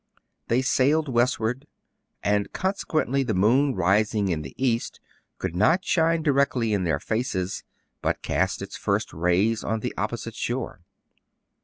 They sailed westward ; and, consequently, the moon, rising in the east, could not shine directly in their faces, but cast its first rays on the oppo site shore.